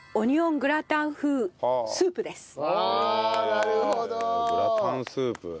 グラタンスープ。